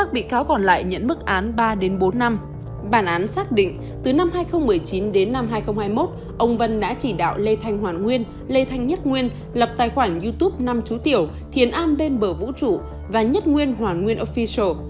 bản án xác định từ năm hai nghìn một mươi chín đến năm hai nghìn hai mươi một ông vân đã chỉ đạo lê thanh hoàn nguyên lê thanh nhất nguyên lập tài khoản youtube năm chú tiểu thiền am lên bờ vũ trụ và nhất nguyên hoàn nguyên offishall